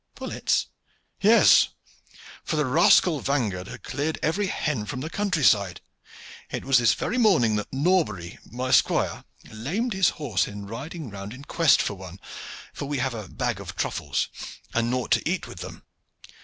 "Pullets?" "Yes, for the rascal vanguard have cleared every hen from the country side. It was this very morning that Norbury, my squire, lamed his horse in riding round in quest of one, for we have a bag of truffles, and nought to eat with them.